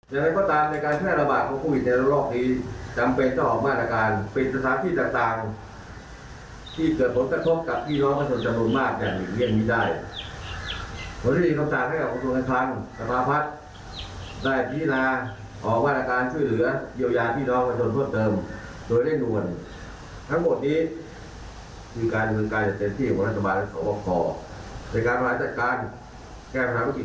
อย่างไรก็ตามในการแช่ระบาดโควิด๑๙ในโลกนี้